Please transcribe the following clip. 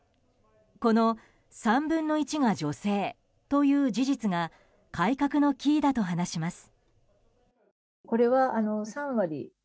この３分の１が女性という事実が改革のキーだと話します。